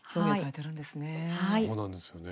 そうなんですよね。